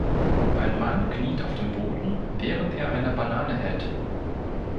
Ein Mann kniet auf dem Boden, während er eine Banane hält.